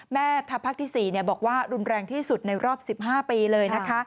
แม่ทัพภาคที่๔บอกว่ารุนแรงที่สุดในรอบ๑๕ปีเลยนะคะ